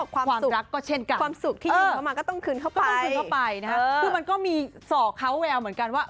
ความรักก็เช่นกันนะครับคือมันก็มีส่อเขาแววเหมือนกันว่า